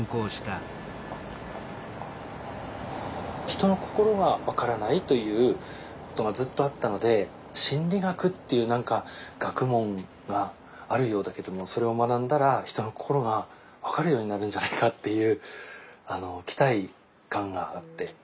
人の心が分からないということがずっとあったので心理学っていう何か学問があるようだけどもそれを学んだら人の心が分かるようになるんじゃないかっていう期待感があって。